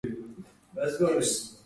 სპარსელი მეთაურების უმეტესობა დაიღუპა.